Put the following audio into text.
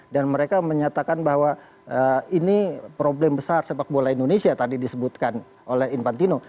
dan mereka menyatakan bahwa ini problem besar sepak bola indonesia tadi disebutkan oleh infantino